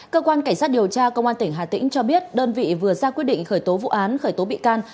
cơ quan cảnh sát điều tra công an tỉnh hà tĩnh cho biết đơn vị vừa ra quyết định khởi tố vụ án khởi tố bị can